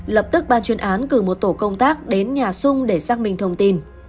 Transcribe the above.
lập tức ban chuyên án cử một tổ công tác đến nhà sung để xác minh thông tin